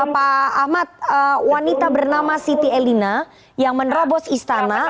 pak ahmad wanita bernama siti elina yang menerobos istana